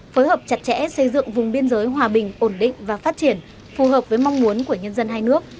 phối hợp chặt chẽ xây dựng vùng biên giới hòa bình ổn định và phát triển phù hợp với mong muốn của nhân dân hai nước